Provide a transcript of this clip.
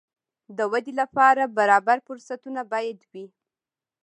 د ودې لپاره برابر فرصتونه باید وي.